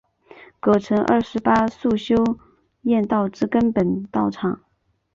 葛城二十八宿修验道之根本道场。